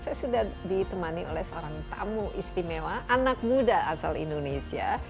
saya sudah ditemani oleh seorang tamu istimewa anak muda asal indonesia